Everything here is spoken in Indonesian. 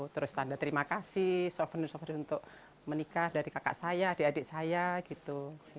terus tanda terima kasih souvenir souvenir untuk menikah dari kakak saya adik adik saya gitu